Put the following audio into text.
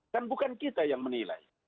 kan bukan kita yang menilai